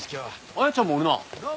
彩ちゃんもおるな。